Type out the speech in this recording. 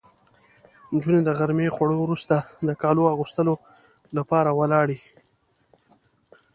نجونې د غرمې خوړو وروسته د کالو اغوستو لپاره ولاړې.